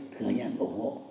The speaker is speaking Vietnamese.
thừa nhận ủng hộ